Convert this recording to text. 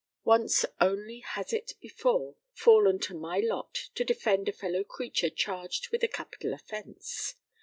Once only has it before fallen to my lot to defend a fellow creature charged with a capital offence.